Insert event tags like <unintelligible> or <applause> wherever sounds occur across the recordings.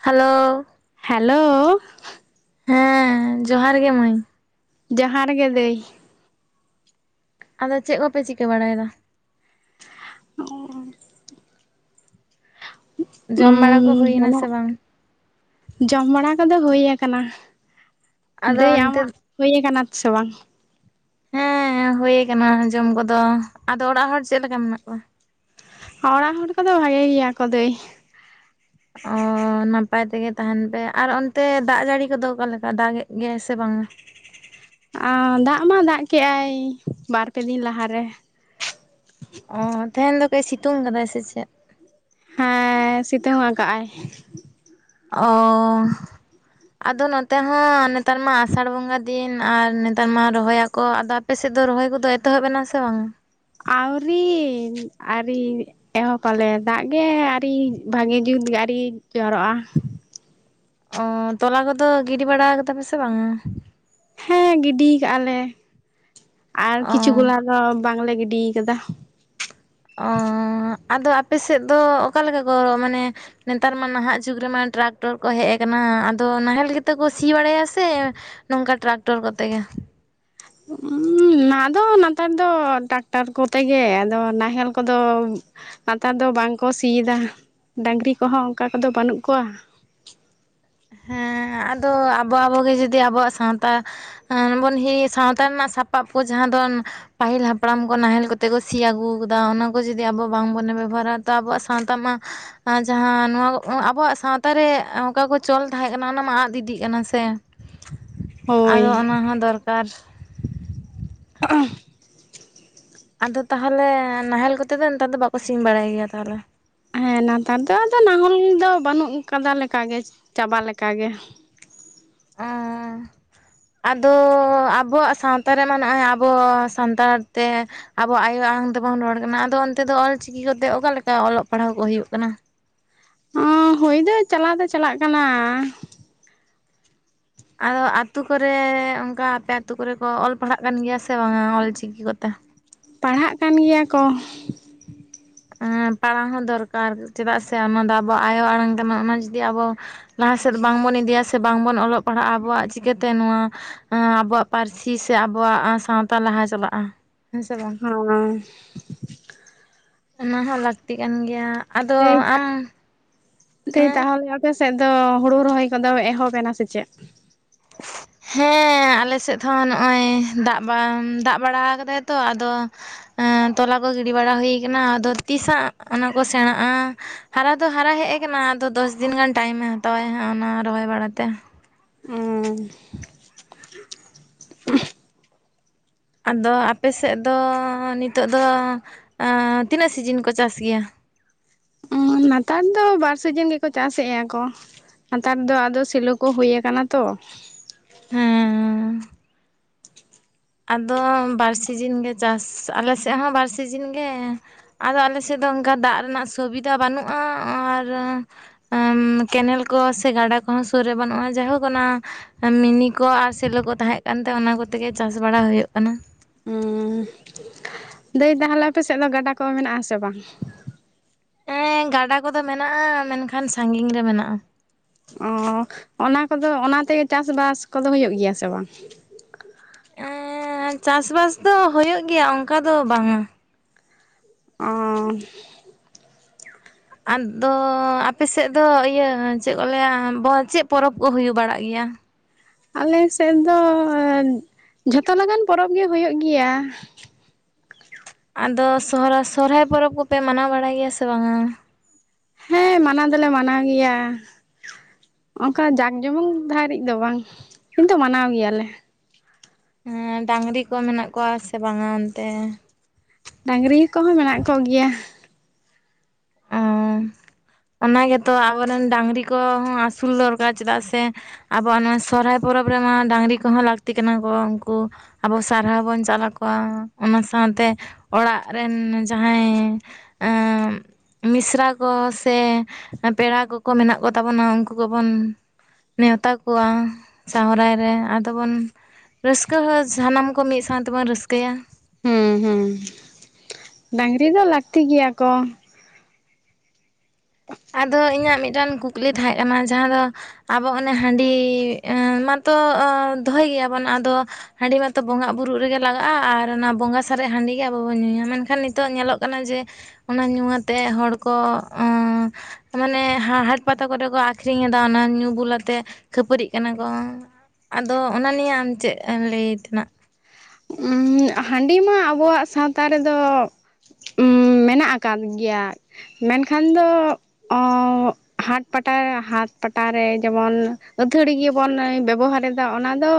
Hello hello ᱦᱮᱸ ᱡᱚᱦᱟᱨ ᱜᱮ ᱢᱟᱹᱭ ᱡᱚᱦᱟᱨᱜᱮ ᱫᱟᱹᱭ ᱟᱫᱚ ᱪᱮᱫ ᱠᱚᱯᱮ ᱪᱤᱠᱟᱹ ᱵᱟᱲᱟᱭᱫᱟ ᱡᱚᱢ ᱵᱟᱲᱟ ᱠᱚ ᱦᱩᱭᱱᱟ ᱢᱟᱱᱮ ᱥᱮ ᱵᱟᱝ? ᱡᱚᱢ ᱵᱟᱲᱟ ᱠᱚᱫᱚ ᱦᱩᱭ ᱟᱠᱟᱱᱟ ᱟᱫᱚ ᱫᱟᱹᱭ ᱚᱱᱛᱮ ᱟᱢᱟᱜ? ᱦᱩᱭ ᱠᱟᱱᱟ ᱥᱮ ᱵᱟᱝ? ᱦᱮᱸ ᱦᱩᱭ ᱠᱟᱱᱟ ᱡᱚᱢ ᱠᱚᱫᱚ ᱟᱫᱚ ᱚᱲᱟᱜ ᱦᱚᱲ ᱪᱮᱫ ᱞᱮᱠᱟ ᱢᱮᱱᱟᱜ ᱠᱚᱣᱟ? ᱚᱲᱟᱜ ᱦᱚᱲ ᱠᱚᱫᱚ ᱵᱷᱟᱜᱮ ᱜᱮᱭᱟ ᱠᱚ ᱫᱟᱹᱭ ᱚᱻᱻ ᱱᱟᱯᱟᱭ ᱛᱮᱜᱮ ᱛᱟᱦᱮᱱ ᱯᱮ ᱟᱨ ᱚᱱᱛᱮ ᱫᱟᱜ ᱡᱟᱹᱲᱤ ᱠᱚᱫᱚ ᱚᱠᱟ ᱞᱮᱠᱟ ᱫᱟᱜ ᱮᱫ ᱜᱮᱭᱟᱭ ᱥᱮ ᱵᱟᱝᱼᱟ? ᱫᱟᱜ ᱢᱟ ᱫᱟᱜ ᱠᱮᱜᱼᱟᱭ ᱵᱟᱨ, ᱯᱮ ᱫᱤᱱ ᱞᱟᱦᱟᱨᱮ ᱚᱻ ᱛᱮᱦᱮᱱ ᱫᱚ ᱠᱟᱹᱡ ᱥᱤᱛᱩᱝ ᱠᱟᱫᱟᱭ ᱥᱮ ᱪᱮᱫ? ᱦᱮᱸ ᱥᱤᱛᱩᱝ ᱟᱠᱟᱜᱼ ᱟᱭ ᱚᱻᱻ ᱟᱫᱚ ᱱᱚᱛᱮ ᱦᱚᱸ ᱱᱮᱛᱟᱨ ᱢᱟ ᱟᱥᱟᱲ ᱵᱚᱸᱜᱟ ᱫᱤᱱ ᱟᱨ ᱱᱮᱛᱟᱨ ᱢᱟ ᱨᱚᱦᱚᱭ ᱟᱠᱚ ᱟᱫᱷᱟ ᱟᱯᱮᱥᱮᱫ ᱫᱚ ᱨᱚᱦᱚᱭ ᱠᱚᱫᱚ ᱮᱛᱚᱦᱚᱵ ᱮᱱᱟ ᱥᱮ ᱵᱟᱝ ᱟᱹᱣᱨᱤ ᱟᱨᱤ ᱮᱦᱚᱵ ᱯᱟᱞᱮ ᱫᱟᱜ ᱜᱮ ᱟᱨᱤ ᱵᱷᱟᱜᱮ ᱡᱩᱛ ᱜᱮ ᱟᱨᱤ ᱡᱚᱨᱚᱜᱼᱟ ᱚ ᱛᱚᱞᱟ ᱠᱚᱫᱚ ᱜᱤᱰᱤ ᱵᱟᱲᱟ ᱠᱟᱫᱟ ᱯᱮ ᱥᱮ ᱵᱟᱝᱼᱟ? ᱦᱮᱸ ᱜᱤᱰᱤ ᱠᱟᱜᱼᱟ ᱞᱮ ᱟᱨ ᱚ ᱠᱤᱪᱷᱩ ᱜᱩᱞᱟ ᱫᱚ ᱵᱟᱝᱞᱮ ᱜᱤᱰᱤ ᱠᱟᱜᱫᱼᱟ ᱚ ᱟᱫᱚ ᱟᱯᱮ ᱥᱮᱫ ᱫᱚ ᱚᱠᱟᱞᱮᱠᱟ ᱠᱚ ᱦᱚᱨᱚᱜ ᱢᱟᱱᱮ? ᱱᱮᱛᱟᱨ ᱢᱟ ᱱᱟᱦᱟᱜ ᱡᱩᱜᱽ ᱨᱮᱢᱟ ᱴᱨᱟᱠᱴᱚᱨ ᱠᱚ ᱦᱮᱡ ᱠᱟᱱᱟ ᱟᱫᱚ ᱱᱟᱦᱮᱞ ᱜᱮ ᱛᱚ ᱠᱚ ᱥᱤ ᱵᱟᱲᱟᱭᱟ ᱥᱮ ᱱᱚᱝᱠᱟ ᱴᱨᱟᱠᱴᱚᱨ ᱠᱚᱛᱮ ᱜᱮ ᱦᱩᱸᱻ ᱱᱚᱣᱟ ᱫᱚ ᱱᱮᱛᱟᱨ ᱫᱚ ᱴᱟᱠᱴᱟᱨ ᱠᱚᱛᱮᱜᱮ ᱟᱫᱚ ᱱᱟᱦᱮᱞ ᱠᱚᱼᱫᱚ ᱱᱮᱛᱟᱨ ᱫᱚ ᱵᱟᱝᱠᱚ ᱥᱤᱭᱮᱫᱟ ᱰᱟᱝᱨᱤ ᱠᱚᱦᱚᱸ ᱚᱱᱠᱟ ᱠᱚᱫᱚ ᱵᱟᱹᱱᱩᱜ ᱠᱚᱣᱟ ᱦᱮᱸ ᱟᱫᱚ ᱟᱵᱚ ᱟᱵᱚᱜᱮ ᱡᱩᱫᱤ ᱟᱵᱚᱣᱟᱜ ᱥᱟᱶᱛᱟ ᱟᱨᱵᱚᱱ ᱦᱮᱸ ᱥᱟᱶᱛᱟ ᱨᱮᱱᱟᱜ ᱥᱟᱯᱟᱵ ᱠᱚ ᱡᱟᱦᱟᱸ ᱫᱚ ᱯᱟᱹᱦᱤᱞ ᱦᱟᱯᱲᱟᱢ ᱠᱚ ᱱᱟᱦᱮᱞ ᱠᱟᱛᱮ ᱠᱚ ᱥᱤ ᱟᱹᱜᱩᱣ ᱟᱠᱟᱫᱟ ᱚᱱᱟ ᱠᱚ ᱡᱩᱫᱤ ᱟᱵᱚ ᱵᱟᱝ ᱵᱚᱱ ᱵᱮᱵᱚᱦᱟᱨᱟ ᱛᱚ ᱟᱵᱚᱣᱟᱜ ᱥᱟᱶᱛᱟ ᱢᱟ ᱟᱸ ᱡᱟᱦᱟᱸ ᱱᱚᱶᱟ ᱟᱵᱚᱣᱟᱜ ᱥᱟᱶᱛᱟ ᱨᱮ ᱚᱠᱟ ᱠᱚ ᱪᱳᱞ ᱛᱟᱦᱮᱸ ᱠᱟᱱᱟ ᱚᱱᱟ ᱢᱟ ᱟᱫ ᱤᱫᱤᱜ ᱠᱟᱱᱟ ᱥᱮ ᱦᱳᱭ ᱟᱫᱚ ᱚᱱᱟ ᱦᱚᱸ ᱫᱚᱨᱠᱟᱨ ᱚ <unintelligible> ᱟᱫᱚ ᱛᱟᱦᱚᱞᱮ ᱱᱟᱦᱮᱞ ᱠᱚᱛᱮ ᱫᱚ ᱱᱮᱛᱟᱨ ᱫᱚ ᱵᱟᱠᱚ ᱥᱤ ᱵᱟᱲᱟᱭ ᱜᱮᱭᱟ ᱛᱟᱦᱚᱞᱮ ᱦᱮᱸ ᱱᱮᱛᱟᱨ ᱫᱚ ᱟᱫᱚ ᱱᱟᱦᱚᱞ ᱫᱚ ᱵᱟᱹᱱᱩᱜ ᱟᱠᱟᱫᱟ ᱞᱮᱠᱟ ᱜᱮ ᱪᱟᱵᱟ ᱞᱮᱠᱟ ᱜᱮ ᱟᱺᱻ ᱟᱫᱚ ᱟᱵᱚᱣᱟᱜ ᱥᱟᱶᱛᱟ ᱨᱮᱢᱟ ᱱᱚᱜᱼᱚᱭ ᱟᱵᱚ ᱥᱟᱱᱛᱟᱲ ᱛᱮ ᱟᱵᱚᱣᱟᱜ ᱟᱭᱳ ᱟᱲᱟᱝ ᱫᱚ ᱵᱟᱝ ᱨᱚᱲ ᱠᱟᱱᱟ ᱟᱫᱚ ᱚᱱᱛᱮ ᱫᱚ ᱚᱞ ᱪᱤᱠᱤᱛᱮ ᱚᱠᱟᱞᱮᱠᱟ ᱚᱞᱚᱜ ᱯᱟᱲᱦᱟᱣ ᱠᱚ ᱦᱩᱭᱩᱜ ᱠᱟᱱᱟ ᱚ ᱦᱩᱭ ᱫᱚ ᱪᱟᱞᱟᱣ ᱫᱚ ᱪᱟᱞᱟᱜ ᱠᱟᱱᱟ ᱟᱫᱚ ᱟᱛᱳ ᱠᱚᱨᱮ ᱚᱱᱠᱟ ᱟᱯᱮ ᱟᱛᱳ ᱠᱚᱨᱮ ᱠᱚ ᱚᱞ ᱯᱟᱲᱦᱟᱜ ᱠᱟᱱ ᱜᱮᱭᱟ ᱥᱮ ᱵᱟᱝᱟ ᱚᱞᱪᱤᱠᱤ ᱠᱚᱛᱮ ᱯᱟᱲᱦᱟᱜ ᱠᱟᱱ ᱜᱮᱭᱟ ᱠᱚ ᱯᱟᱲᱟᱣ ᱦᱚᱸ ᱫᱚᱨᱠᱟᱨ ᱪᱮᱫᱟᱜ ᱥᱮ ᱚᱱᱟ ᱫᱚ ᱟᱵᱚᱣᱟᱜ ᱟᱭᱳ ᱟᱲᱟᱝ ᱠᱟᱱᱟ ᱚᱱᱟ ᱡᱩᱫᱤ ᱟᱵᱚ ᱞᱟᱦᱟ ᱥᱮᱫ ᱵᱟᱝᱵᱚᱱ ᱤᱫᱤᱭᱟ ᱥᱮ ᱵᱟᱝᱵᱚᱱ ᱚᱞᱚᱜ ᱯᱟᱲᱦᱟᱜᱼᱟ ᱟᱵᱚᱣᱟᱜ ᱪᱤᱠᱟᱹᱛᱮ ᱱᱚᱣᱟ, ᱟᱵᱚᱣᱟᱜ ᱯᱟᱹᱨᱥᱤ ᱥᱮ ᱟᱵᱩᱣᱟᱜ ᱥᱟᱶᱛᱟ ᱞᱟᱦᱟ ᱪᱟᱞᱟᱜᱼᱟ ᱦᱮᱸᱥᱮ ᱵᱟᱝ ᱚᱱᱮ ᱚᱱᱟ ᱦᱚᱸ ᱞᱟᱹᱠᱛᱤ ᱠᱟᱱ ᱜᱮᱭᱟ ᱟᱫᱚ ᱟᱢ ᱫᱟᱹᱭ ᱦᱮᱸ ᱛᱟᱦᱚᱞᱮ ᱟᱯᱮ ᱥᱮᱫ ᱫᱚ ᱦᱩᱲᱩ ᱨᱚᱦᱚᱭ ᱠᱚᱫᱚ ᱮᱦᱚᱵ ᱮᱱᱟ ᱥᱮ ᱪᱮᱫ? <inaudible> ᱦᱮᱸ ᱟᱞᱮ ᱥᱮᱫ ᱦᱚᱸ ᱱᱚᱜᱼᱚᱭ ᱫᱟᱜ ᱵᱟᱝ ᱫᱟᱜ ᱵᱟᱲᱟ ᱠᱟᱫᱟᱭ ᱛᱚ ᱟᱫᱚ ᱛᱳᱞᱟ ᱠᱚ ᱜᱤᱰᱤ ᱵᱟᱲᱟ ᱦᱩᱭ ᱠᱟᱱᱟ ᱟᱫᱚ ᱛᱤᱥᱟᱜ ᱚᱱᱟ ᱠᱚ ᱥᱮᱬᱟᱜᱼᱟ ᱦᱟᱨᱟ ᱫᱚ ᱦᱟᱨᱟ ᱦᱮᱡ ᱠᱟᱱᱟ ᱟᱫᱚ ᱫᱚᱥ ᱫᱤᱱ ᱜᱟᱱ ᱴᱟᱭᱤᱢᱮ ᱦᱟᱛᱟᱣᱟᱭ ᱦᱟᱸᱜ ᱚᱱᱟ ᱨᱚᱦᱚᱭ ᱵᱟᱲᱟᱛᱮ ᱦᱩᱸ ᱟᱫᱚ ᱟᱯᱮᱥᱮᱫ ᱫᱚ ᱱᱤᱛᱚᱜ ᱫᱚ ᱛᱤᱱᱟᱹᱜ ᱥᱤᱡᱤᱱ ᱠᱚ ᱪᱟᱥ ᱜᱮᱭᱟ ᱱᱮᱛᱟᱨ ᱫᱚ ᱵᱟᱨ ᱥᱤᱡᱤᱱ ᱜᱮᱠᱚ ᱪᱟᱥᱮᱫᱼᱟ ᱠᱚ ᱱᱮᱛᱟᱨ ᱫᱚ ᱟᱫᱚ ᱥᱤᱞᱚ ᱠᱚ ᱦᱩᱭ ᱟᱠᱟᱱᱟ ᱛᱚ ᱦᱮᱸ ᱟᱫᱚ ᱵᱟᱨ ᱥᱤᱡᱤᱱ ᱜᱮ ᱪᱟᱥ ᱟᱞᱮ ᱥᱮᱫ ᱦᱚᱸ ᱵᱟᱨ ᱥᱤᱡᱤᱱ ᱜᱮ ᱟᱫᱚ ᱟᱞᱮ ᱥᱮᱫ ᱫᱚ ᱚᱱᱠᱟ ᱫᱟᱜ ᱨᱮᱱᱟᱜ ᱥᱩᱵᱤᱫᱷᱟ ᱵᱟᱹᱱᱩᱜᱼᱟ ᱾ ᱟᱨ ᱟᱸᱻ ᱠᱮᱱᱮᱞ ᱠᱚ ᱥᱮ ᱜᱟᱰᱟ ᱠᱚᱦᱚᱸ ᱥᱩᱨ ᱨᱮ ᱵᱟᱹᱱᱩᱜᱼᱟ ᱡᱟᱭᱦᱳᱠ ᱚᱱᱟ ᱢᱤᱱᱤ ᱠᱚ ᱟᱨ ᱥᱮᱞᱚ ᱠᱚ ᱛᱟᱦᱮᱸ ᱠᱟᱱ ᱛᱟᱦᱮᱸ ᱚᱱᱟ ᱠᱚᱛᱮᱜᱮ ᱪᱟᱥ ᱵᱟᱲᱟ ᱦᱩᱭᱩᱜ ᱠᱟᱱᱟ ᱩᱸᱻ ᱫᱟᱹᱭ ᱛᱟᱦᱚᱞᱮ ᱟᱯᱮ ᱥᱮᱫ ᱫᱚ ᱜᱟᱰᱟ ᱠᱚ ᱢᱮᱱᱟᱜ ᱟᱥᱮ ᱵᱟᱝ? ᱦᱮᱸ ᱜᱟᱰᱟ ᱠᱚᱫᱚ ᱢᱮᱱᱟᱜᱼᱟ ᱢᱮᱱᱠᱷᱟᱱ ᱥᱟᱺᱜᱤᱧ ᱨᱮ ᱢᱮᱱᱟᱜᱼᱟ ᱚ ᱚᱱᱟ ᱠᱚᱫᱚ ᱚᱱᱟ ᱛᱮᱜᱮ ᱪᱟᱥᱵᱟᱥ ᱠᱚᱫᱚ ᱦᱩᱭᱩᱜ ᱜᱮᱭᱟ ᱥᱮ ᱵᱟᱝ ᱮᱸ ᱪᱟᱥ-ᱵᱟᱥ ᱫᱚ ᱦᱩᱭᱩᱜ ᱜᱮᱭᱟ ᱚᱱᱠᱟ ᱫᱚ ᱵᱟᱝ ᱚᱻ ᱟᱫᱚ ᱟᱯᱮ ᱥᱮᱫ ᱫᱚ ᱤᱭᱟᱹ ᱪᱮᱫ ᱠᱚ ᱞᱟᱹᱭᱟ ᱵᱚ.. ᱪᱮᱫ ᱯᱚᱨᱚᱵᱽ ᱠᱚ ᱦᱩᱭ ᱵᱟᱲᱟᱜ ᱜᱮᱭᱟ? ᱟᱞᱮ ᱥᱮᱫ ᱫᱚ ᱡᱷᱚᱛᱚ ᱞᱮᱠᱟᱱ ᱯᱚᱨᱚᱵᱽ ᱜᱮ ᱦᱩᱭᱩᱜ ᱜᱤᱭᱟ ᱟᱫᱚ ᱥᱚᱦᱨᱟ... ᱥᱚᱨᱦᱟᱭ ᱯᱚᱨᱚᱵᱽ ᱠᱚᱯᱮ ᱢᱟᱱᱟᱣ ᱵᱟᱲᱟᱭ ᱜᱮᱭᱟ ᱥᱮ ᱵᱟᱝ-ᱟ ᱦᱮᱸ ᱢᱟᱱᱟᱣ ᱫᱚᱞᱮ ᱢᱟᱱᱟᱣ ᱜᱮᱭᱟ ᱚᱱᱠᱟ ᱡᱟᱠ ᱡᱚᱢᱚᱠ ᱫᱷᱟᱹᱨᱤᱡ ᱫᱚ ᱵᱟᱝ ᱠᱤᱱᱛᱩ ᱢᱟᱱᱟᱣ ᱜᱮᱭᱟᱞᱮ ᱦᱮᱸ ᱰᱟᱝᱨᱤ ᱠᱚ ᱢᱮᱱᱟᱜ ᱠᱚᱣᱟ ᱥᱮ ᱵᱟᱝᱟ ᱚᱱᱛᱮ? ᱰᱟᱝᱨᱤ ᱠᱚᱦᱚᱸ ᱢᱮᱱᱟᱜ ᱠᱚ ᱜᱮᱭᱟ ᱾ ᱚᱸᱦ ᱚᱱᱟ ᱜᱮᱛᱚ ᱟᱵᱚᱨᱮᱱ ᱰᱟᱹᱝᱨᱤ ᱠᱚ ᱦᱚᱸ ᱟᱹᱥᱩᱞ ᱫᱚᱨᱠᱟᱨ ᱪᱮᱫᱟᱜ ᱥᱮ ᱟᱵᱚᱣᱟᱜ ᱱᱚᱶᱟ ᱥᱚᱨᱚᱦᱟᱭ ᱯᱚᱨᱚᱵᱽ ᱨᱮᱢᱟ ᱰᱟᱝᱨᱤ ᱠᱚᱦᱚᱸ ᱞᱟᱹᱠᱛᱤ ᱠᱟᱱᱟ ᱠᱚ ᱩᱱᱠᱩ ᱟᱵᱚ ᱥᱟᱨᱦᱟᱣ ᱵᱚᱱ ᱪᱟᱞᱟᱠᱚᱣᱟ ᱚᱱᱟ ᱥᱟᱶᱛᱮ ᱚᱲᱟᱜ ᱨᱮᱱ ᱡᱟᱦᱟᱸᱭ ᱟᱸᱻ ᱢᱤᱥᱨᱟ ᱠᱚ ᱥᱮ ᱯᱮᱲᱟ ᱠᱚᱠᱚ ᱢᱮᱱᱟᱜ ᱠᱚᱛᱟ ᱵᱚᱱᱟ ᱩᱱᱠᱩ ᱠᱚ ᱵᱚᱱ ᱱᱮᱣᱛᱟ ᱠᱚᱣᱟ ᱥᱚᱦᱨᱟᱭ ᱨᱮ ᱟᱫᱚ ᱵᱚᱱ ᱨᱟᱹᱥᱠᱟᱹ ᱦᱚᱸ ᱥᱟᱱᱟᱢ ᱠᱚ ᱢᱤᱫ ᱥᱟᱶ ᱛᱮᱵᱚᱱ ᱨᱟᱹᱥᱠᱟᱹᱭᱟ ᱦᱩᱸ ᱦᱩᱸ ᱰᱟᱝᱨᱤ ᱫᱚ ᱞᱟᱹᱠᱛᱤ ᱜᱮᱭᱟ ᱠᱚ ᱟᱫᱚ ᱤᱧᱟᱹᱜ ᱢᱤᱫᱴᱟᱝ ᱠᱩᱠ.... ᱠᱩᱞᱤ ᱛᱟᱦᱮᱸ ᱠᱟᱱᱟ ᱡᱟᱦᱟᱸ ᱫᱚ ᱟᱵᱚ ᱚᱱᱮ ᱦᱟᱺᱰᱤ ᱢᱟᱛᱚ ᱫᱚᱦᱚᱭ ᱜᱮᱭᱟᱵᱚᱱ ᱟᱫᱚ ᱦᱟᱺᱰᱤ ᱢᱟᱛᱚ ᱵᱚᱸᱜᱟᱜ ᱵᱩᱨᱩᱜ ᱨᱮᱜᱮ ᱞᱟᱜᱟᱜᱼᱟ ᱟᱨ ᱚᱱᱟ ᱵᱚᱸᱜᱟ ᱥᱟᱨᱮᱡ ᱦᱟᱺᱰᱤ ᱜᱮ ᱟᱵᱚ ᱵᱚᱱ ᱧᱩᱭᱟ ᱢᱮᱱᱠᱷᱟᱱ ᱱᱤᱛᱚᱜ ᱧᱮᱞᱚᱜ ᱠᱟᱱᱟ ᱡᱮ ᱚᱱᱟ ᱧᱩ ᱟᱛᱮᱫ ᱦᱚᱲ ᱠᱚ ᱢᱟᱱᱮ ᱦᱟ ᱦᱟᱴ ᱯᱟᱛᱟ ᱠᱚᱨᱮ ᱠᱚ ᱟᱠᱷᱨᱤᱧᱮᱫᱟ ᱚᱱᱟ ᱧᱩ ᱵᱩᱞ ᱟᱛᱮ ᱠᱷᱟᱹᱯᱟᱹᱨᱤᱜ ᱠᱟᱱᱟ ᱠᱚ ᱟᱫᱚ ᱚᱱᱟ ᱱᱤᱭᱮ ᱟᱢ ᱪᱮᱫ ᱮᱢ ᱞᱟᱹᱭ ᱛᱮᱱᱟᱜ ᱩᱜ ᱦᱟᱺᱰᱤ ᱢᱟ ᱟᱵᱚᱣᱟᱜ ᱥᱟᱶᱛᱟ ᱨᱮᱫᱚ ᱢᱮᱱᱟᱜ ᱟᱠᱟᱫ ᱜᱮᱭᱟ ᱢᱮᱱᱠᱷᱟᱱ ᱫᱚ ᱦᱟᱴ ᱯᱟᱴᱟ ᱦᱟᱴ ᱯᱟᱴᱟᱨᱮ ᱡᱮᱢᱚᱱ ᱟᱹᱛᱷᱟᱹᱲᱤ ᱜᱮᱵᱚᱱ ᱵᱮᱵᱚᱦᱟᱨᱮᱫᱟ ᱚᱱᱟ ᱫᱚ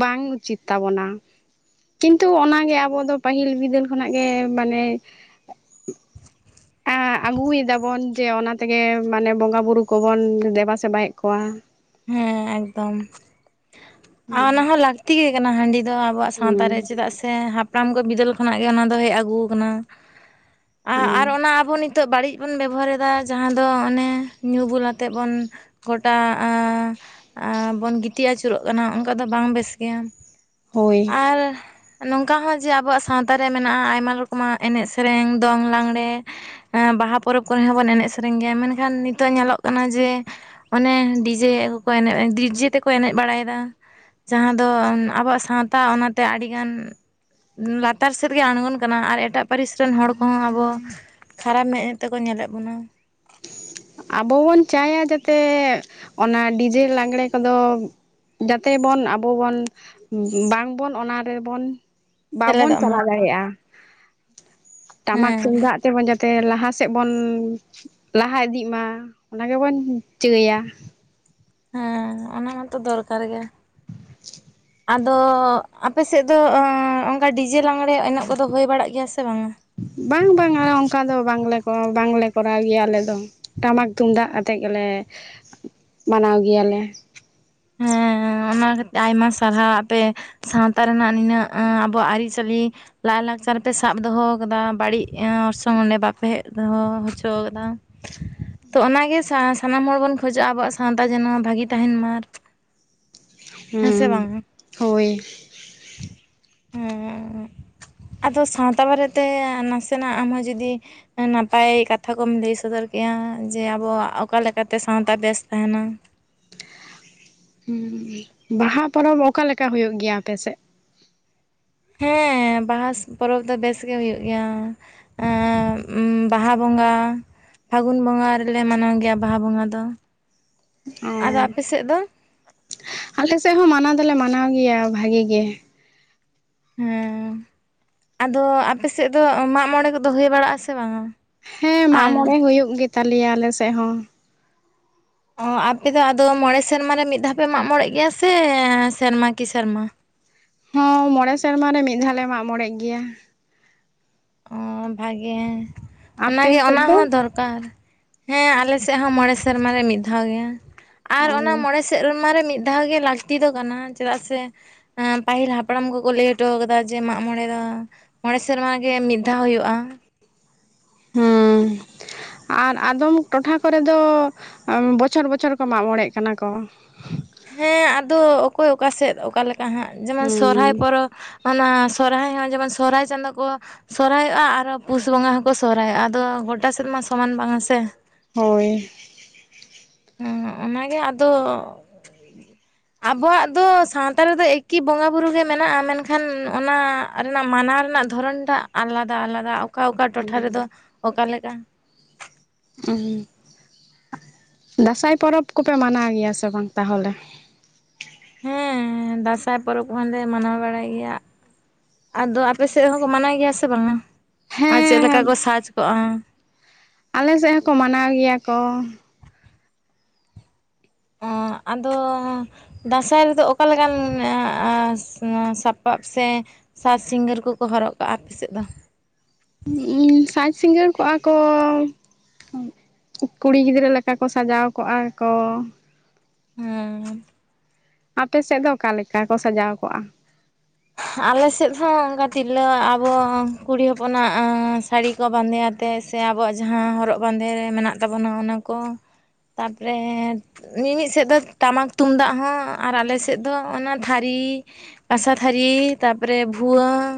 ᱵᱟᱝ ᱩᱪᱤᱛ ᱛᱟᱵᱚᱱᱟ ᱛᱚ ᱚᱱᱟᱜᱮ ᱟᱵᱚ ᱫᱚ ᱯᱟᱹᱦᱤᱞ ᱵᱤᱫᱟᱹᱞ ᱠᱷᱚᱱᱟᱜ ᱜᱮ ᱢᱟᱱᱮ ᱟᱹᱜᱩᱭᱮᱫᱟᱵᱚᱱ ᱡᱮ ᱚᱱᱟᱛᱮᱜᱮ ᱢᱟᱱᱮ ᱵᱚᱸᱜᱟ ᱵᱳᱨᱳ ᱠᱚᱵᱚᱱ ᱫᱮᱵᱟᱥᱮᱵᱟᱭᱮᱫ ᱠᱚᱣᱟ ᱦᱮᱸ ᱮᱠᱫᱚᱢ ᱟᱨ ᱚᱱᱟ ᱦᱚᱸ ᱞᱟᱠ ᱛᱤ ᱟᱠᱟᱱᱟ ᱦᱟᱺᱰᱤ ᱫᱚ ᱟᱵᱚᱣᱟᱜ ᱥᱟᱶᱛᱟ ᱨᱮ ᱦᱩᱸ ᱪᱮᱫᱟᱜ ᱥᱮ ᱦᱟᱯᱲᱟᱢ ᱠᱚ ᱵᱤᱫᱟᱹᱞ ᱠᱷᱚᱱᱟᱜ ᱜᱮ ᱚᱱᱟ ᱫᱚ ᱦᱮᱡ ᱟᱹᱜᱩ ᱟᱠᱟᱱᱟ ᱦᱩᱸ ᱟᱨ ᱚᱱᱟ ᱟᱵᱚ ᱱᱤᱛᱚᱜ ᱱᱤᱛᱚᱜ ᱵᱟᱹᱲᱤᱡ ᱵᱚᱱ ᱵᱮᱵᱚᱦᱟᱨᱮᱫᱟ ᱡᱟᱦᱟᱸ ᱫᱚ ᱚᱱᱮ ᱧᱩ ᱵᱩᱞ ᱟᱛᱮᱫ ᱵᱚᱱ ᱜᱚᱴᱟ ᱵᱚᱱ ᱜᱤᱛᱤᱡ ᱟᱹᱪᱩᱨᱚᱜ ᱠᱟᱱᱟ ᱚᱱᱠᱟ ᱫᱚ ᱵᱟᱝ ᱵᱮᱥ ᱜᱮᱭᱟ ᱦᱳᱭ ᱟᱨ ᱱᱚᱝᱠᱟ ᱦᱚᱸ ᱡᱮ ᱟᱵᱚᱣᱟᱜ ᱥᱟᱶᱛᱟᱨᱮ ᱢᱮᱱᱟᱜᱼᱟ ᱟᱭᱢᱟ ᱨᱚᱠᱚᱢᱟᱜ ᱮᱱᱮᱡ ᱥᱮᱨᱮᱧ ᱫᱚᱝ ᱞᱟᱜᱽᱬᱮ ᱵᱟᱦᱟ ᱯᱚᱨᱚᱵᱽ ᱠᱚᱨᱮ ᱦᱚᱸᱵᱚᱱ ᱮᱱᱮᱡ ᱥᱮᱨᱮᱧ ᱜᱮᱭᱟ ᱢᱮᱱᱠᱷᱟᱱ ᱱᱤᱛᱚᱜ ᱧᱮᱞᱚᱜ ᱠᱟᱱᱟ ᱡᱮ ᱚᱱᱮ ᱡᱮ ᱠᱚ ᱮᱱᱮᱡ ᱰᱤᱡᱮ ᱛᱮᱠᱚ ᱮᱱᱮᱡ ᱵᱟᱲᱟᱭᱮᱫᱟ ᱡᱟᱦᱟᱸ ᱫᱚ ᱟᱵᱚᱣᱟᱜ ᱥᱟᱶᱛᱟ ᱚᱱᱟᱛᱮ ᱟᱹᱰᱤᱜᱟᱱ ᱞᱟᱛᱟᱨ ᱥᱮᱫ ᱜᱮ ᱟᱬᱜᱚᱱ ᱠᱟᱱᱟ ᱟᱨ ᱮᱴᱟᱜ ᱯᱟᱹᱨᱤᱥ ᱨᱮᱱ ᱦᱚᱲ ᱠᱚᱦᱚᱸ ᱟᱵᱚ ᱠᱷᱟᱨᱟᱯ ᱢᱮᱸᱫ ᱛᱮᱠᱚ ᱧᱮᱞᱮᱫ ᱵᱚᱱᱟ ᱟᱵᱚ ᱵᱚᱱ ᱪᱟᱭᱟ ᱡᱟᱛᱮ ᱚᱱᱟ ᱰᱤᱡᱮ ᱞᱟᱜᱽᱬᱮ ᱠᱚᱫᱚ ᱡᱟᱛᱮ ᱵᱚᱱ ᱟᱵᱚ ᱵᱚᱱ ᱵᱟᱝᱵᱚᱱ ᱚᱱᱟ ᱨᱮᱵᱚᱱ ᱵᱟᱵᱚᱱ ᱥᱮᱞᱮᱫᱚᱜ ᱪᱟᱞᱟᱣ ᱢᱟᱛᱚ ᱫᱟᱲᱮᱭᱟᱜᱼᱟ ᱴᱟᱢᱟᱠ ᱦᱮᱸ ᱛᱩᱢᱫᱟᱜ ᱛᱮᱵᱚᱱ ᱡᱟᱛᱮ ᱞᱟᱦᱟ ᱥᱮᱫ ᱵᱩᱱ ᱞᱟᱦᱟ ᱤᱫᱤᱜ ᱢᱟ ᱚᱱᱟ ᱜᱮᱵᱚᱱ ᱪᱟᱹᱭᱟ ᱦᱮᱸ ᱚᱱᱟ ᱢᱟᱛᱚ ᱫᱚᱨᱠᱟᱨ ᱜᱮᱭᱟ <inaudible> ᱟᱫᱚ ᱟᱯᱮᱥᱮᱫ ᱫᱚ ᱚᱱᱠᱟ ᱰᱤᱡᱮ ᱞᱟᱝᱽᱬᱮ ᱤᱱᱟᱹ ᱠᱚᱫᱚ ᱦᱩᱭ ᱵᱟᱲᱟᱜ ᱜᱮᱭᱟ ᱥᱮ ᱵᱟᱝᱟ ᱵᱟᱝ ᱵᱟᱝᱟ ᱚᱱᱠᱟ ᱫᱚ ᱵᱟᱝᱞᱮ ᱵᱟᱝᱞᱮ ᱠᱚᱨᱟᱣ ᱜᱮᱭᱟ ᱟᱞᱮ ᱫᱚ ᱴᱟᱢᱟᱠ ᱛᱩᱢᱫᱟᱜ ᱟᱛᱮᱫ ᱜᱮᱞᱮ ᱢᱟᱱᱟᱣ ᱜᱮᱭᱟᱞᱮ ᱦᱮᱸ ᱚᱱᱟᱛᱮ ᱟᱭᱢᱟ ᱥᱟᱨᱦᱟᱣ ᱟᱯᱮ ᱥᱟᱶᱛᱟ ᱨᱮᱱᱟᱜ ᱱᱤᱱᱟᱹᱜ ᱟᱵᱚᱣᱟᱜ ᱟᱹᱨᱤᱪᱟᱹᱞᱤ ᱞᱟᱭᱼᱞᱟᱠᱪᱟᱨ ᱯᱮ ᱥᱟᱵ ᱫᱚᱦᱚ ᱟᱠᱟᱫᱟ ᱵᱟᱹᱲᱤᱡ ᱚᱨᱥᱚᱝ ᱚᱸᱰᱮ ᱵᱟᱯᱮ ᱦᱮᱡ ᱫᱚᱦᱚ ᱦᱚᱪᱚ ᱠᱟᱫᱟ ᱛᱚ ᱚᱱᱟᱜᱮ ᱥᱟᱱᱟᱢ ᱦᱚᱲ ᱵᱚᱱ ᱠᱷᱚᱡᱚᱜᱼᱟ ᱟᱵᱚᱣᱟᱜ ᱥᱟᱶᱛᱟ ᱡᱮᱱᱚ ᱵᱷᱟᱜᱮ ᱛᱟᱦᱮᱱ ᱢᱟ ᱦᱮᱸ ᱥᱮ ᱵᱟᱝᱟ ᱦᱳᱭ ᱟᱫᱚ ᱥᱟᱶᱛᱟ ᱵᱟᱨᱮᱛᱮ ᱱᱟᱥᱮᱱᱟᱜ ᱟᱢᱦᱚ ᱡᱩᱫᱤ ᱱᱟᱯᱟᱭ ᱠᱟᱛᱷᱟ ᱠᱚᱢ ᱞᱟᱹᱭ ᱥᱚᱫᱚᱨ ᱠᱮᱫᱼᱟ ᱡᱮ ᱟᱵᱚᱣᱟᱜ ᱚᱠᱟ ᱞᱮᱠᱟᱛᱮ ᱥᱟᱶᱛᱟ ᱵᱮᱥ ᱛᱟᱦᱮᱱᱟ ᱦᱩᱸ ᱵᱟᱦᱟ ᱯᱚᱨᱚᱵᱽ ᱚᱠᱟᱞᱮᱠᱟ ᱦᱩᱭᱩᱜ ᱜᱮᱭᱟ ᱟᱯᱮᱥᱮᱫ ᱦᱮᱸ ᱵᱟᱦᱟ ᱯᱚᱨᱚᱵᱽ ᱫᱚ ᱵᱮᱥ ᱜᱮ ᱦᱩᱭᱩᱜ ᱜᱮᱭᱟ ᱮᱸ ᱵᱟᱦᱟ ᱵᱚᱸᱜᱟ ᱯᱷᱟᱹᱜᱩᱱ ᱵᱚᱸᱜᱟ ᱨᱮᱞᱮ ᱢᱟᱱᱟᱣ ᱜᱮᱭᱟ ᱵᱟᱦᱟ ᱵᱚᱸᱜᱟ ᱫᱚ ᱚ ᱟᱫᱚ ᱟᱯᱮ ᱥᱮᱫ ᱫᱚ ᱟᱞᱮᱥᱮᱫ ᱦᱚᱸ ᱢᱟᱱᱟᱣ ᱫᱚᱞᱮ ᱢᱟᱱᱟᱣ ᱜᱮᱭᱟ ᱵᱷᱟᱜᱮ ᱜᱮ ᱦᱮᱸ ᱟᱫᱚ ᱟᱯᱮ ᱥᱮᱫ ᱫᱚ ᱢᱟᱜᱢᱚᱬᱮ ᱠᱚ ᱫᱚ ᱦᱩᱭ ᱵᱟᱲᱟᱜ ᱟᱥᱮ ᱵᱟᱝᱼᱟ ᱦᱮᱸ ᱢᱟᱜ ᱢᱚᱬᱮ ᱦᱩᱭᱩᱜ ᱜᱮᱛᱟᱞᱮᱭᱟ ᱟᱞᱮᱥᱮᱫ ᱦᱚᱸ ᱚ ᱟᱯᱮᱫᱚ ᱟᱫᱚ ᱢᱚᱬᱮ ᱥᱮᱨᱢᱟ ᱨᱮ ᱢᱤᱫ ᱫᱷᱟᱣ ᱯᱮ ᱢᱟᱜ ᱢᱚᱬᱮᱜ ᱜᱮᱭᱟ ᱥᱮ ᱥᱮᱨᱢᱟ ᱠᱤ ᱥᱮᱨᱢᱟ ᱦᱚᱸ ᱢᱚᱬᱮ ᱥᱮᱨᱢᱟ ᱨᱮ ᱢᱤᱫ ᱫᱷᱟᱣ ᱞᱮ ᱢᱟᱜ ᱢᱚᱬᱮᱜ ᱜᱮᱭᱟ ᱚ ᱵᱷᱟᱜᱮ ᱟᱯᱮ ᱚᱱᱟᱜᱮ ᱥᱮᱫ ᱚᱱᱟ ᱦᱚᱸ ᱫᱚ ᱫᱚᱨ ᱠᱟᱨ ᱦᱮᱸ ᱟᱞᱮ ᱥᱮᱫ ᱦᱚᱸ ᱢᱚᱬᱮ ᱥᱮᱨᱢᱟ ᱨᱮ ᱢᱤᱫ ᱫᱷᱟᱣ ᱜᱮᱭᱟ ᱟᱨ ᱚᱱᱟ ᱚ ᱢᱚᱬᱮ ᱥᱮᱨᱢᱟ ᱨᱮ ᱢᱤᱫ ᱫᱷᱟᱣ ᱜᱮ ᱞᱟᱹᱠᱛᱤ ᱫᱚ ᱠᱟᱱᱟ ᱪᱮᱫᱟᱜ ᱥᱮ ᱯᱟᱹᱦᱤᱞ ᱦᱟᱯᱲᱟᱢ ᱠᱚᱠᱚ ᱞᱟᱹᱭ ᱦᱚᱴᱚ ᱠᱟᱫᱟ ᱡᱮ ᱢᱟᱜ ᱢᱚᱬᱮ ᱫᱚ ᱢᱚᱬᱮ ᱥᱮᱨᱢᱟ ᱜᱮ ᱢᱤᱫ ᱫᱷᱟᱣ ᱦᱳᱭᱳᱜᱼᱟ <unintelligible> ᱦᱮᱸ ᱟᱨ ᱟᱫᱚᱢ ᱴᱚᱴᱷᱟ ᱠᱚᱨᱮ ᱫᱚ ᱵᱚᱪᱷᱚᱨ ᱵᱚᱪᱷᱚᱨ ᱠᱚ ᱢᱟᱜ ᱢᱚᱬᱮᱜ ᱠᱟᱱᱟ ᱠᱚ ᱦᱮᱸ ᱟᱫᱚ ᱚᱠᱚᱭ ᱚᱠᱟ ᱥᱮᱫ ᱚᱠᱟ ᱞᱮᱠᱟ ᱦᱟᱸᱜ ᱡᱮᱢᱚᱱ ᱥᱚᱨᱦᱟᱭ ᱦᱩᱸ ᱯᱚᱨᱚ ᱚᱱᱟ ᱥᱚᱨᱦᱟᱭ ᱦᱚᱸ ᱡᱮᱢᱚᱱ ᱥᱚᱨᱦᱟᱭ ᱪᱟᱸᱫᱳ ᱠᱚ ᱥᱚᱨᱦᱟᱭᱚᱜ-ᱟ ᱟᱨᱚ ᱯᱩᱥ ᱵᱚᱸᱜᱟ ᱦᱚᱸᱠᱚ ᱥᱚᱨᱦᱟᱭᱚᱜᱼᱟ ᱟᱫᱚ ᱜᱚᱴᱟ ᱥᱮᱫ ᱢᱟ ᱥᱚᱢᱟᱱ ᱵᱟᱝᱼᱟ ᱥᱮ ᱦᱳᱭ ᱦᱚᱸ ᱚᱱᱟᱜᱮ ᱟᱫᱚ ᱟᱵᱚᱣᱟᱜ ᱫᱚ ᱥᱟᱶᱛᱟ ᱨᱮᱫᱚ ᱮᱠᱤ ᱵᱚᱸᱜᱟ ᱵᱩᱨᱩ ᱜᱮ ᱢᱮᱱᱟᱜᱼᱟ ᱢᱮᱱᱠᱷᱟᱱ ᱚᱱᱟ ᱨᱮᱱᱟᱜ ᱢᱟᱱᱟᱣ ᱨᱮᱱᱟᱜ ᱫᱷᱚᱨᱚᱱ ᱴᱟᱜ ᱟᱞᱟᱫᱟ ᱟᱞᱟᱫᱟ ᱚᱠᱟ ᱚᱠᱟ ᱴᱚᱴᱷᱟ ᱨᱮᱫᱚ ᱚᱠᱟᱞᱮᱠᱟ ᱫᱟᱸᱥᱟᱭ ᱯᱚᱨᱚᱵᱽ ᱠᱚᱯᱮ ᱢᱟᱱᱟᱣ ᱜᱮᱭᱟ ᱥᱮ ᱵᱟᱝ ᱛᱟᱦᱚᱞᱮ ᱦᱮᱸ ᱫᱟᱸᱥᱟᱭ ᱯᱚᱨᱚᱵᱽ ᱦᱚᱸᱞᱮ ᱢᱟᱱᱟᱣ ᱵᱟᱲᱟᱭ ᱜᱮᱭᱟ ᱟᱫᱚ ᱟᱯᱮ ᱥᱮᱫ ᱦᱚᱸᱠᱚ ᱢᱟᱱᱟᱣ ᱜᱮᱭᱟ ᱥᱮ ᱵᱟᱝ-ᱟ ᱟᱨ ᱪᱮᱫ ᱞᱮᱠᱟ ᱠᱚ ᱦᱮᱸ ᱥᱟᱪ ᱠᱚᱜᱼᱟ ᱟᱞᱮ ᱥᱮᱫ ᱦᱚᱸᱠᱚ ᱢᱟᱱᱟᱣ ᱜᱮᱭᱟ ᱠᱚ ᱚ ᱟᱫᱚ ᱫᱟᱸᱥᱟᱭ ᱨᱮᱫᱚ ᱚᱠᱟ ᱞᱮᱠᱟᱱ ᱥᱟᱯᱟᱵ ᱥᱮ ᱥᱟᱛ ᱥᱤᱝᱜᱟᱹᱨ ᱠᱚᱠᱚ ᱦᱚᱨᱚᱜ ᱠᱟᱜᱼᱟ ᱟᱯᱮ ᱥᱮᱫ ᱫᱚ ᱤᱱᱜ ᱥᱟᱡᱽ ᱥᱤᱸᱜᱟᱹᱲ ᱠᱚᱜᱼᱟ ᱠᱚ ᱠᱩᱲᱤ ᱜᱤᱫᱽᱨᱟᱹ ᱞᱮᱠᱟ ᱠᱚ ᱥᱟᱡᱟᱣ ᱠᱚᱜᱼᱟ ᱠᱚ ᱦᱮᱸ ᱟᱯᱮ ᱥᱮᱫ ᱫᱚ ᱚᱠᱟ ᱞᱮᱠᱟ ᱠᱚ ᱥᱟᱡᱟᱣ ᱠᱚᱜᱼᱟ ᱟᱞᱮ ᱥᱮᱫ ᱦᱚᱸ ᱚᱱᱠᱟ ᱛᱤᱨᱞᱟᱹ ᱟᱵᱚ ᱠᱩᱲᱤ ᱦᱚᱯᱚᱱᱟᱜ ᱟ ᱥᱟᱹᱲᱤ ᱠᱚ ᱵᱟᱸᱫᱮ ᱟᱛᱮᱫ ᱥᱮ ᱟᱵᱚᱣᱟᱜ ᱡᱟᱦᱟᱸ ᱦᱚᱨᱚᱜ ᱵᱟᱸᱫᱮ ᱨᱮ ᱢᱮᱱᱟᱜ ᱛᱟᱵᱚᱱᱟ ᱚᱱᱟ ᱠᱚ ᱛᱟᱯᱚᱨᱮ ᱢᱤᱢᱤᱫ ᱥᱮᱫ ᱫᱚ ᱴᱟᱢᱟᱠ ᱛᱩᱢᱫᱟᱜ ᱦᱚᱸ ᱟᱨ ᱟᱞᱮ ᱥᱮᱫ ᱫᱚ ᱚᱱᱟ ᱛᱷᱟᱹᱨᱤ ᱠᱟᱥᱟ ᱛᱷᱟᱹᱨᱤ ᱛᱟᱯᱚᱨᱮ ᱵᱷᱩᱣᱟᱹᱝ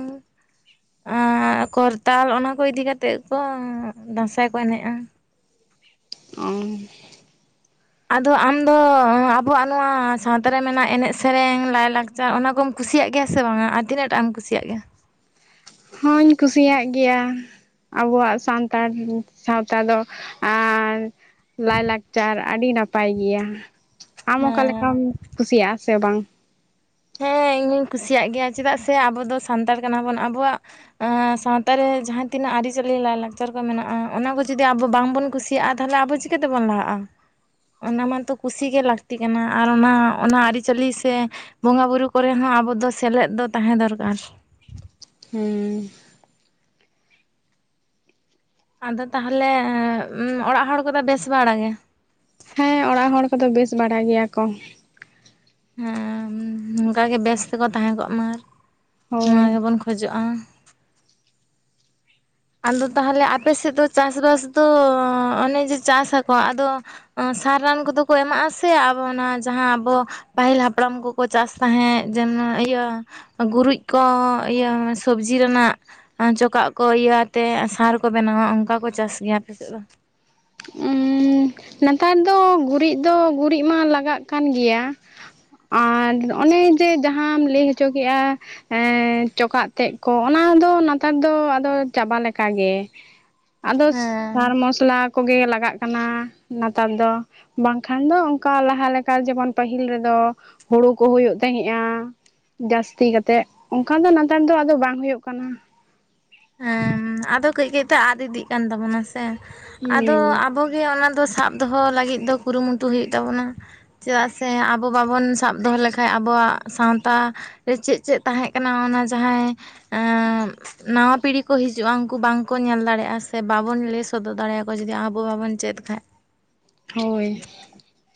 ᱟᱨ ᱠᱚᱨᱛᱟᱞ ᱚᱱᱟ ᱠᱚ ᱤᱫᱤ ᱠᱟᱛᱮᱫ ᱠᱚ ᱫᱟᱸᱥᱟᱭ ᱠᱚ ᱮᱱᱮᱜ-ᱟ ᱚ ᱟᱫᱚ ᱟᱢᱫᱚ ᱟᱵᱚᱣᱟᱜ ᱱᱚᱣᱟ ᱥᱟᱶᱛᱟ ᱨᱮ ᱢᱮᱱᱟᱜ ᱮᱱᱮᱡ ᱥᱮᱨᱮᱧ ᱞᱟᱭ ᱞᱟᱠ ᱚᱱᱟ ᱠᱚᱢ ᱠᱩᱥᱤᱭᱟᱜ ᱜᱮᱭᱟ ᱥᱮ ᱵᱟᱝ-ᱟ ᱟᱨ ᱛᱤᱱᱟᱹᱜ ᱴᱟᱜ ᱮᱢ ᱠᱩᱥᱤᱭᱟᱜ ᱜᱮᱭᱟ ᱦᱚᱧ ᱠᱩᱥᱤᱭᱟᱜ ᱜᱮᱭᱟ ᱟᱵᱚᱣᱟᱜ ᱥᱟᱱᱛᱟᱲ ᱥᱟᱶᱛᱟ ᱫᱚ ᱟᱨ ᱞᱟᱭ ᱞᱟᱠᱪᱟᱨ ᱟᱹᱰᱤ ᱱᱟᱯᱟᱭ ᱜᱮᱭᱟ, ᱟᱢ ᱦᱮᱸ ᱚᱠᱟᱞᱮᱠᱟᱢ ᱠᱩᱥᱤᱭᱟᱜ-ᱟ ᱥᱮ ᱵᱟᱝ ᱦᱮᱸ ᱤᱧᱦᱩᱧ ᱠᱩᱥᱤᱭᱟᱜ ᱜᱮᱭᱟ ᱪᱮᱫᱟᱜ ᱥᱮ ᱟᱵᱚ ᱫᱚ ᱥᱟᱱᱛᱟᱲ ᱠᱟᱱᱟ ᱵᱚᱱ ᱟᱵᱚᱣᱟᱜ ᱥᱟᱶᱛᱟ ᱨᱮ ᱡᱟᱦᱟᱸ ᱛᱤᱱᱟᱹᱜ ᱟᱹᱨᱤᱪᱟᱹᱞᱤ ᱞᱟᱭᱼᱞᱟᱠᱪᱟᱨ ᱠᱚ ᱢᱮᱱᱟᱜᱼᱟ ᱚᱱᱟ ᱠᱚ ᱡᱩᱫᱤ ᱟᱵᱚ ᱵᱟᱝᱵᱚᱱ ᱠᱩᱥᱤ- <unintelligible> ᱛᱟᱦᱚᱞᱮ ᱟᱵᱚ ᱪᱤᱠᱟᱹ ᱛᱮᱵᱚᱱ ᱞᱟᱦᱟᱜᱼᱟ ᱚᱱᱟ ᱢᱟᱛᱚ ᱠᱩᱥᱤᱜᱮ ᱞᱟᱹᱠᱛᱤ ᱠᱟᱱᱟ ᱟᱨ ᱚᱱᱟ ᱚᱱᱟ ᱟᱹᱨᱤᱪᱟᱹᱞᱤ ᱥᱮ ᱵᱚᱸᱜᱟ ᱵᱩᱨᱩ ᱠᱚᱨᱮ ᱦᱚᱸ ᱟᱵᱚ ᱫᱚ ᱥᱮᱞᱮᱫ ᱫᱚ ᱛᱟᱦᱮᱸ ᱫᱚᱨᱠᱟᱨ ᱦᱩᱸ ᱟᱫᱚ ᱛᱟᱦᱚᱞᱮ ᱚᱲᱟᱜ ᱦᱚᱲ ᱠᱚᱫᱚ ᱵᱮᱥ ᱵᱟᱲᱟ ᱜᱮ ᱦᱮᱸ ᱚᱲᱟᱜ ᱦᱚᱲ ᱠᱚᱫᱚ ᱵᱮᱥ ᱵᱟᱲᱟ ᱜᱮᱭᱟ ᱠᱚ ᱦᱮᱸ ᱱᱚᱝᱠᱟ ᱜᱮ ᱵᱮᱥ ᱛᱮᱠᱚ ᱛᱟᱦᱮᱸ ᱠᱚᱜ ᱢᱟ, ᱦᱳᱭ ᱱᱚᱣᱟ ᱜᱮᱵᱚᱱ ᱠᱷᱚᱡᱚᱜ-ᱟ ᱟᱫᱚ ᱛᱟᱦᱚᱞᱮ ᱟᱯᱮ ᱥᱮᱫ ᱫᱚ ᱪᱟᱥᱵᱟᱥ ᱫᱚ ᱚᱱᱮ ᱡᱮ ᱪᱟᱥ ᱟᱠᱚ ᱟᱫᱚ ᱥᱟᱨ ᱨᱟᱱ ᱠᱚᱫᱚ ᱠᱚ ᱮᱢᱟᱜ ᱟᱥᱮ ᱟᱵᱚᱱᱟ ᱚᱱᱟ ᱡᱟᱦᱟᱸ ᱟᱵᱚ ᱯᱟᱹᱦᱤᱞ ᱦᱟᱯᱲᱟᱢ ᱠᱚᱠᱚ ᱪᱟᱥ ᱛᱟᱦᱮᱸᱫ ᱡᱮᱱᱚ ᱤᱭᱟᱹ ᱜᱩᱨᱩᱡ ᱠᱚ ᱤᱭᱟᱹ ᱥᱚᱵᱽᱡᱤ ᱨᱮᱱᱟᱜ ᱪᱚᱠᱟᱜ ᱠᱚ ᱤᱭᱟᱹ ᱛᱮ ᱥᱟᱨ ᱠᱚ ᱵᱮᱱᱟᱣᱟ ᱚᱱᱠᱟ ᱠᱚ ᱪᱟᱥ ᱜᱮᱭᱟ ᱟᱯᱮᱥᱮᱫ ᱫᱚ ᱱᱮᱛᱟᱨ ᱫᱚ ᱜᱩᱨᱤᱡ ᱫᱚ ᱜᱩᱨᱤᱡ ᱢᱟ ᱞᱟᱜᱟᱜ ᱠᱟᱱ ᱜᱮᱭᱟ ᱟᱨ ᱱᱚᱜ-ᱚᱱᱮ ᱡᱮ ᱡᱟᱦᱟᱸᱢ ᱞᱟᱹᱭ ᱦᱚᱪᱚ ᱠᱮᱜ-ᱟ ᱮᱸ ᱪᱚᱠᱟᱜ ᱛᱮᱜ ᱠᱚ ᱚᱱᱟ ᱫᱚ ᱱᱮᱛᱟᱨ ᱫᱚ ᱟᱫᱚ ᱪᱟᱵᱟ ᱞᱮᱠᱟ ᱜᱮ ᱟᱫᱚ ᱦᱮᱸ ᱥᱟᱨ ᱢᱚᱥᱞᱟ ᱠᱚᱜᱮ ᱞᱟᱜᱟᱜ ᱠᱟᱱᱟ ᱱᱮᱛᱟᱨ ᱫᱚ ᱵᱟᱝᱠᱷᱟᱱ ᱫᱚ ᱚᱱᱠᱟ ᱞᱟᱦᱟ ᱞᱮᱠᱟ ᱡᱮᱢᱚᱱ ᱯᱟᱹᱦᱤᱞ ᱨᱮᱫᱚ ᱦᱩᱲᱩ ᱠᱚ ᱦᱩᱭᱩᱜ ᱛᱟᱦᱮᱸᱫ-ᱟ ᱡᱟᱹᱥᱛᱤ ᱠᱟᱛᱮᱜ ᱚᱱᱠᱟ ᱫᱚ ᱱᱮᱛᱟᱨ ᱫᱚ ᱟᱫᱚ ᱵᱟᱝ ᱦᱳᱭᱳᱜ ᱠᱟᱱᱟ ᱦᱮᱸ ᱟᱫᱚ ᱠᱟᱹᱡ ᱠᱟᱹᱡ ᱛᱮ ᱟᱫ ᱤᱫᱤᱜ ᱠᱟᱱ ᱛᱟᱵᱚᱱᱟ ᱥᱮ ᱟᱫᱚ ᱦᱩᱸ ᱟᱵᱚ ᱚᱱᱟ ᱫᱚ ᱥᱟᱵ ᱫᱚᱦᱚ ᱞᱟᱹᱜᱤᱫ ᱫᱚ ᱠᱩᱨᱩᱢᱩᱴᱩ ᱦᱩᱭᱩᱜ ᱛᱟᱵᱚᱱᱟ ᱪᱮᱫᱟᱜ ᱥᱮ ᱟᱵᱚ ᱵᱟᱵᱚᱱ ᱥᱟᱵ ᱫᱚᱦᱚ ᱞᱮᱠᱟᱱ ᱟᱵᱚᱣᱟᱜ ᱥᱟᱶᱛᱟ ᱪᱮᱫ ᱪᱮᱫ ᱛᱟᱦᱮᱸ ᱠᱟᱱᱟ ᱚᱱᱟ ᱡᱟᱦᱟᱸᱭ ᱱᱟᱣᱟ ᱯᱤᱲᱦᱤ ᱠᱚ ᱦᱤᱡᱩᱜ-ᱟ ᱩᱱᱠᱩ ᱵᱟᱝᱠᱚ ᱧᱮᱞ ᱫᱟᱲᱮᱭᱟᱜᱼᱟ ᱥᱮ ᱵᱟᱵᱚᱱ ᱞᱟᱹᱭ ᱥᱚᱫᱚᱨ ᱫᱟᱲᱮᱭᱟ ᱠᱚᱣᱟ ᱡᱩᱫᱤ ᱟᱵᱚ ᱵᱟᱵᱚᱱ ᱪᱮᱫ ᱠᱷᱟᱡ ᱦᱳᱭ